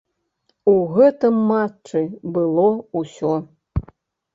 У гэтым матчы было ўсё.